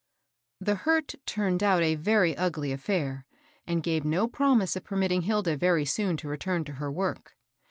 The hurt turned out a very ugly bSsliTj and gave no promise of permitting Hilda very soon to re turn to her work.